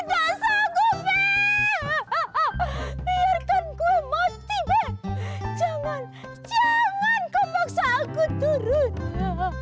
jangan jangan kau maksa aku turun